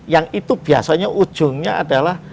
yang itu biasanya ujungnya adalah